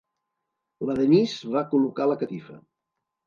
La Denise va col·locar la catifa.